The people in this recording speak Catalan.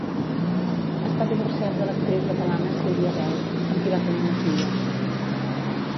Està divorciat de l'actriu catalana Sílvia Bel, amb qui va tenir una filla.